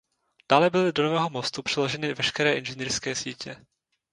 Dále byly do nového mostu přeloženy veškeré inženýrské sítě.